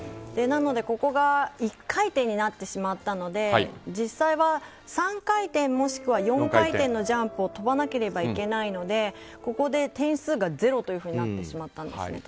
なので、ここが１回転になってしまったので実際は３回転もしくは４回転のジャンプを跳ばなければいけないのでここで点数がゼロとなってしまったんです。